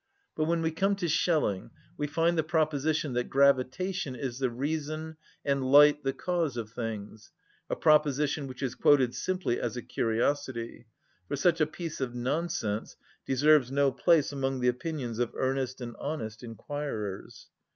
But when we come to Schelling we find the proposition that gravitation is the reason and light the cause of things, a proposition which is quoted simply as a curiosity, for such a piece of nonsense deserves no place among the opinions of earnest and honest inquirers.